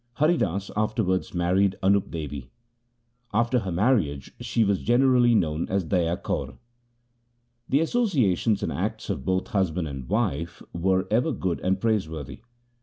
Hari Das afterwards married Anup Devi. After her marriage she was generally known as Daya Kaur. The associations and acts of both husband and wife were ever good and praiseworthy.